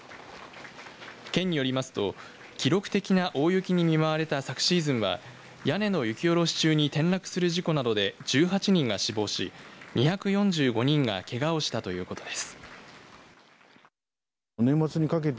県によりますと記録的な大雪に見舞われた昨シーズンは屋根の雪下ろし中に転落する事故などで１８人が死亡し２４５人がけがをしたということです